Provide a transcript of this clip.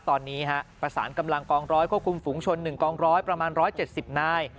ตอนนี้ประสานกำลังกองร้อยควบคุมฝุงชน๑กองร้อยประมาณ๑๗๐นาย